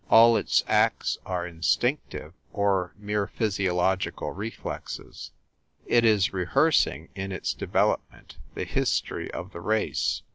All its acts are instinctive, or mere physiological reflexes. It is rehearsing, in its development, the history of the race.